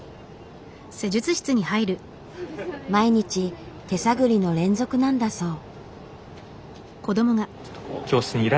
毎日手探りの連続なんだそう。